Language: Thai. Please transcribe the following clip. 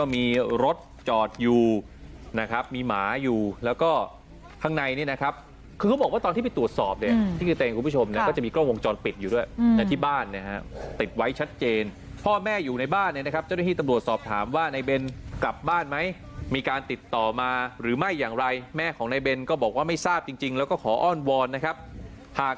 มีหมาอยู่แล้วก็ข้างในนี้นะครับคือเขาบอกว่าตอนที่ไปตรวจสอบเนี่ยที่คือตัวเองคุณผู้ชมเนี่ยก็จะมีกล้องวงจรปิดอยู่ด้วยที่บ้านนะฮะติดไว้ชัดเจนพ่อแม่อยู่ในบ้านเนี่ยนะครับเจ้าหน้าที่ตำรวจสอบถามว่าในเบนกลับบ้านไหมมีการติดต่อมาหรือไม่อย่างไรแม่ของในเบนก็บอกว่าไม่ทราบจริงแล้วก็ขอ